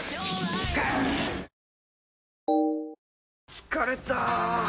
疲れた！